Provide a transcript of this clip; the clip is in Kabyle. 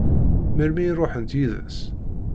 Melmi i ṛuḥent yid-s?